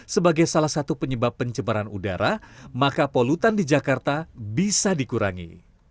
sebagai salah satu penyebab pencemaran udara maka polutan di jakarta bisa dikurangi